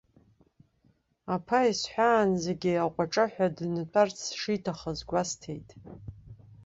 Аԥа исҳәаанӡагьы аҟәаҿыҳәа днатәарц шиҭаххаз гәасҭеит.